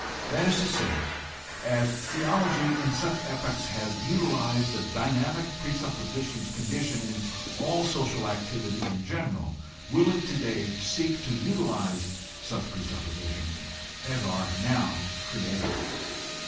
That is to say, as theology in such epochs has utilized the dynamic presuppositions con ditioning all social activity in general will it today seek to utilize such presuppositions as are now creative.